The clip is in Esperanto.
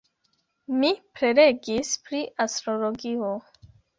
Mi prelegis pri Astrologio.